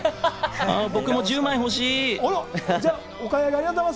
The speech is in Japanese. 僕も１０枚欲しい！